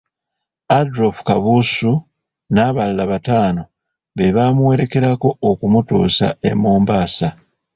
Adolfu Kabuusu n' abalala batono, be baamuwerekerako okumutuusa e Mombasa.